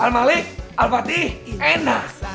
al malik al fatih enak